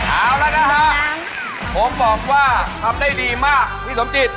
เอาละนะฮะผมบอกว่าทำได้ดีมากพี่สมจิต